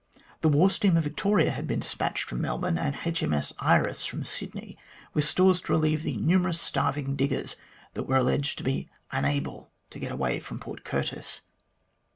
The war steamer Victoria had been despatched from Melbourne, and H.M.S. Iris from Sydney, with stores to relieve the numerous starv ing diggers that were alleged to be unable to get away from Port Curtis.